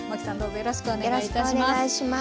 よろしくお願いします。